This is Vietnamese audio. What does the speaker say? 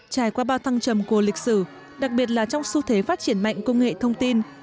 trải qua bao thăng trầm của lịch sử đặc biệt là trong xu thế phát triển mạnh công nghệ thông tin